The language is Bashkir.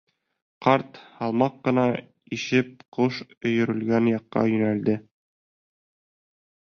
Ҡарт, һалмаҡ ҡына ишеп, ҡош өйөрөлгән яҡҡа йүнәлде.